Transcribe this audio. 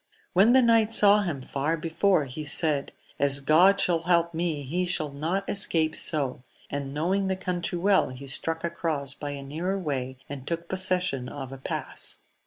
When the knight saw him far before, he said. As God shall help me, he shall not escape so ! and knowing the country well, he struck across by a nearer way, and took pos session of a pass.